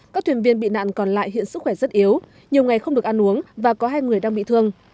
các thuyền viên bị nạn còn lại hiện sức khỏe rất yếu nhiều ngày không được ăn uống và có hai người đang bị thương